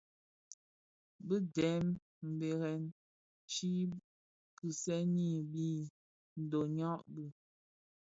Bị dèm mbèrèn chi bò kiseni mbiň a ndhoňa bi.